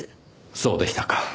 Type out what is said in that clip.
そうでしたか。